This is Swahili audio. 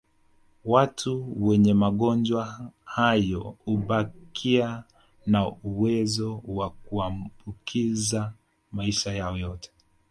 Watu wenye magonjwa hayo hubakia na uwezo wa kuambukiza maisha yao yote